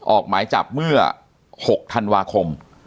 ออกหมายจับเมื่อ๖ธันวาคม